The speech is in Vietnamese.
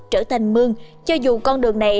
trở thành mương cho dù con đường này